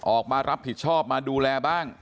ออกมารับผิดชอบมาดูแลบ้าง